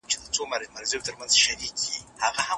ډیرو مخلوقاتو ته انسان پام نه دی کړی.